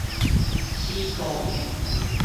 死蘇物